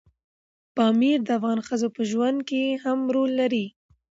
پامیر د افغان ښځو په ژوند کې هم رول لري.